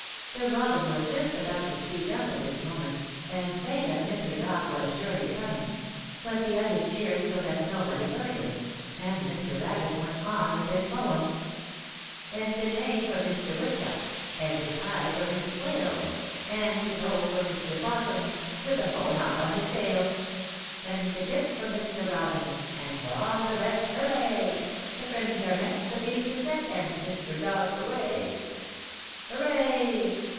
The Robin was just about to speak up at this moment and say that Mr. Dog was surely coming, but the others cheered so that nobody heard him, and Mr. Rabbit went on with his poem. Then 'tis hey! for Mr. Woodchuck! And tis hi! for Mrs. Quail! And 'tis ho! for Mr. 'Possum With a bowknot on his tail! Then 'tis hip! for Mr. Robin And for all the rest, hurray! The friends are met, the feast is set, And Mr. Dog's away. "Hurray!